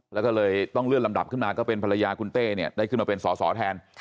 แล้วก็เลยต้องเลื่อนลำดับขึ้นมาก็เป็นภรรยาคุณเต้เนี่ยได้ขึ้นมาเป็นสอสอแทน